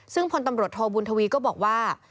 ซึ่งพลตำรวจโทบุญทวีก็บอกว่า